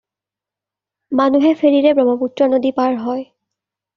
মানুহে ফেৰীৰে ব্ৰহ্মপুত্ৰ নদী পাৰ হয়।